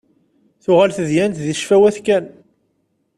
Tuɣal tedyant deg ccfawat kan.